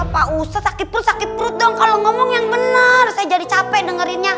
pak usa sakit pun sakit perut dong kalau ngomong yang benar saya jadi capek dengerinnya